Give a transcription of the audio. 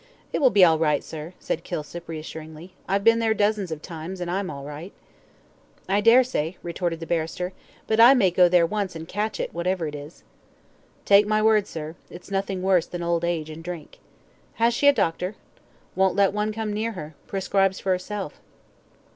"It will be all right, sir," said Kilsip, reassuringly; "I've been there dozens of times, and I'm all right." "I dare say," retorted the barrister; "but I may go there once and catch it, whatever it is." "Take my word, sir, it's nothing worse than old age and drink." "Has she a doctor?" "Won't let one come near her prescribes for herself."